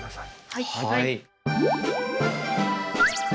はい。